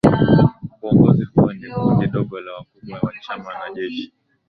Uongozi huo ni kundi dogo la wakubwa wa chama na jeshi